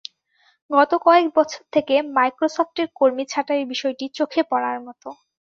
গত কয়েক বছর থেকে মাইক্রোসফটের কর্মী ছাঁটাইয়ের বিষয়টি চোখে পড়ার মতো।